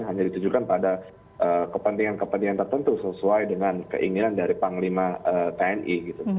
hanya ditujukan pada kepentingan kepentingan tertentu sesuai dengan keinginan dari panglima tni